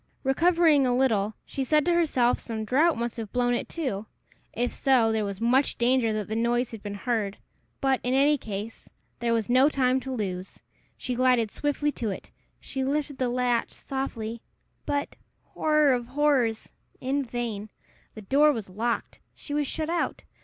Recovering a little, she said to herself some draught must have blown it to. If so, there was much danger that the noise had been heard; but, in any case, there was no time to lose. She glided swiftly to it. She lifted the latch softly but, horror of horrors! in vain. The door was locked. She was shut out.